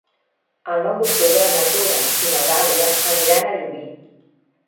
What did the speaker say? El nou d'octubre na Tura i na Dàlia aniran a Llubí.